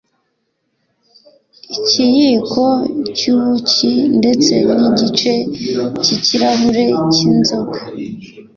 ikiyiko cy'ubuki ndetse n'igice cy'ikirahure cy'inzoga